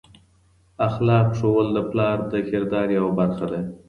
اخلاق ښوول د پلار د کردار یوه برخه ده.